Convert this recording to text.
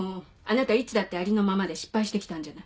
あなたいつだってありのままで失敗してきたんじゃない。